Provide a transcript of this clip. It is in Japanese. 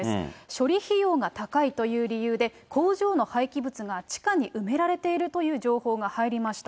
処理費用が高いという理由で、工場の廃棄物が地下に埋められているという情報が入りました。